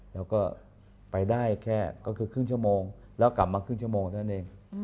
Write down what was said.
แล้วก็ไปได้แค่ก็คือครึ่งชั่วโมงแล้วกลับมาครึ่งชั่วโมงเท่านั้นเอง